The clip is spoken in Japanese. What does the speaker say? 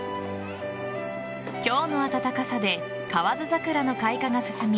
今日の暖かさで河津桜の開花が進み